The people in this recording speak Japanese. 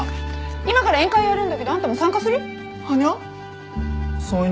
今から宴会やるんだけどあんたも参加する？はにゃ？